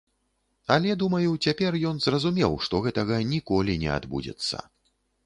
Але думаю, цяпер ён зразумеў, што гэтага ніколі не адбудзецца.